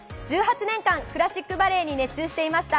１８年間クラシックバレエに熱中していました！